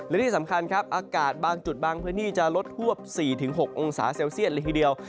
และที่สำคัญครับอากาศบางจุดบางพื้นที่จะลดฮวบ๔๖องศาเซลเซียตเลยทีเดียว